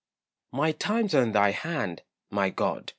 My times are in thy hand, my God!